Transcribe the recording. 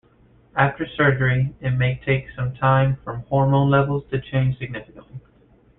After surgery, it may take some time for hormone levels to change significantly.